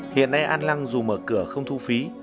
hiện nay an lăng dù mở cửa không thu phí